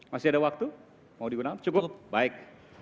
masih ada waktu mau digunakan cukup baik